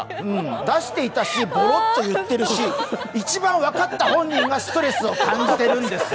出していたし、ボロッと言ってるし、一番分かった本人がストレスを感じてるんですよ！